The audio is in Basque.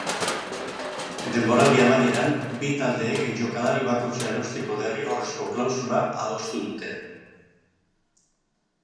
Denboraldi amaieran bi taldeek jokalari bakoitza erosteko derrigorrezko klausula adostu dute.